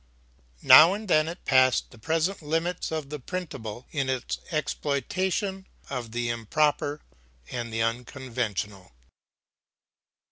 Now and then it passed the present limits of the printable in its exploitation of the improper and the unconventional.